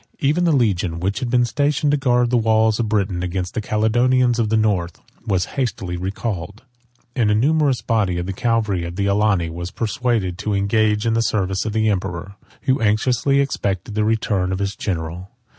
Even the legion, which had been stationed to guard the wall of Britain against the Caledonians of the North, was hastily recalled; 36 and a numerous body of the cavalry of the Alani was persuaded to engage in the service of the emperor, who anxiously expected the return of his general.